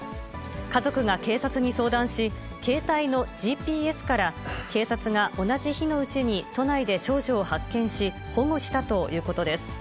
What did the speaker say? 家族が警察に相談し、携帯のＧＰＳから警察が同じ日のうちに都内で少女を発見し、保護したということです。